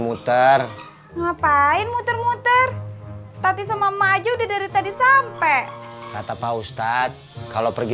muter ngapain muter muter tati sama maju udah dari tadi sampai kata pak ustadz kalau pergi